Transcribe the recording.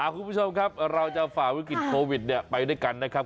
คุณผู้ชมครับเราจะฝ่าวิกฤตโควิดไปด้วยกันนะครับ